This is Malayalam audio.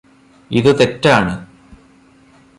ഇതു തെറ്റാണ്.